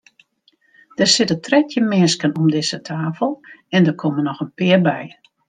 Der sitte trettjin minsken om dizze tafel en der komme noch in pear by.